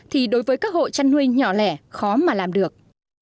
thì đối với các hộ chăn nuôi nhỏ lẻ khó mà làm được